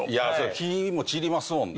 気も散りますもんね。